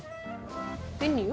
メニュー？